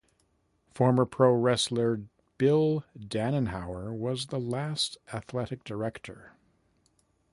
Former pro wrestler Bill Danenhauer was the last athletic director.